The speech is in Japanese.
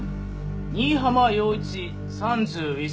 新浜陽一３１歳。